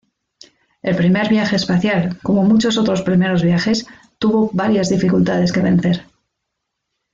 El primer viaje espacial, como muchos otros primeros viajes, tuvo varias dificultades que vencer.